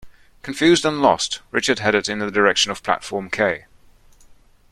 Confused and lost, Richard headed in the direction of platform K.